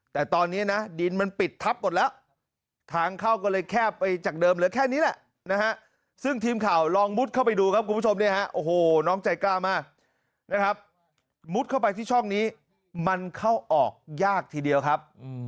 แต่ตอนนี้นะดินมันปิดทับหมดแล้วทางเข้าก็เลยแคบไปจากเดิมเหลือแค่นี้แหละนะฮะซึ่งทีมข่าวลองมุดเข้าไปดูครับคุณผู้ชมเนี่ยฮะโอ้โหน้องใจกล้ามากนะครับมุดเข้าไปที่ช่องนี้มันเข้าออกยากทีเดียวครับ